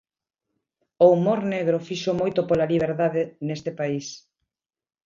O humor negro fixo moito pola liberdade neste país.